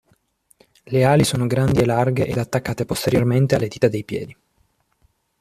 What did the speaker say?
Le ali sono grandi e larghe ed attaccate posteriormente alle dita dei piedi.